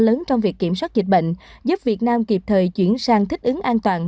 các nỗ lực trong việc kiểm soát dịch bệnh giúp việt nam kịp thời chuyển sang thích ứng an toàn